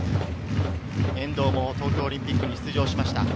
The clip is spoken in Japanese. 遠藤も東京オリンピックに出場しました。